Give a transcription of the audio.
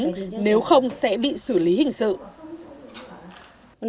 đúng nếu không sẽ bị xử lý hình sự